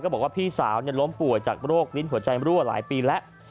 บอกว่าพี่สาวล้มป่วยจากโรคลิ้นหัวใจรั่วหลายปีแล้ว